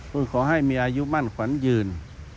คุณขอให้มีอายุมั่นขวัญยืน